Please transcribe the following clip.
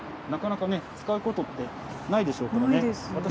なかなかね、使うことってないでしょうからね。